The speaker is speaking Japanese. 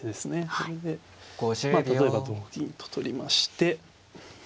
これでまあ例えば同銀と取りまして。